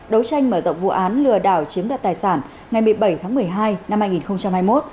đấu tranh mở rộng vụ án lừa đảo chiếm đoạt tài sản ngày một mươi bảy tháng một mươi hai năm hai nghìn hai mươi một